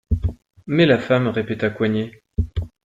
Mais la femme ? répéta Coignet.